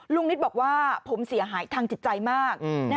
นิตบอกว่าผมเสียหายทางจิตใจมาก